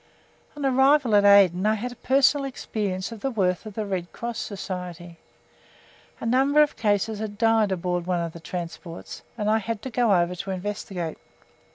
On arrival at Aden I had personal experience of the worth of the Red Cross Society. A number of cases had died aboard one of the transports, and I had to go over to investigate.